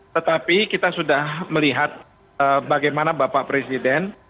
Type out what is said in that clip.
tetapi kita sudah melihat bagaimana bapak presiden